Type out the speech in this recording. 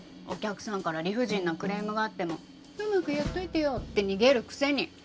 お客さんから理不尽なクレームがあっても「うまくやっといてよ」って逃げるくせに！